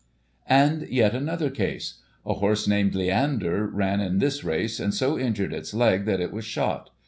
251 And yet another case. A horse, named Leander, ran in this race, and so injured its leg, that it was shot.